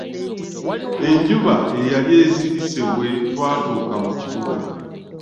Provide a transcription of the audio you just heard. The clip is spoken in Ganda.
Enjuba yali esirisse bwe twatuuka mu kibuga.